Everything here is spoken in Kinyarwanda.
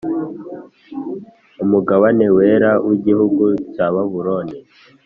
umugabane wera w igihugu cya babuloni